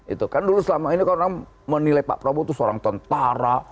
itu kan dulu selama ini kan orang menilai pak prabowo itu seorang tentara